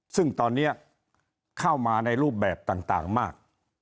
ซึ่งตอนนี้เข้ามาในรูปแบบต่างมาก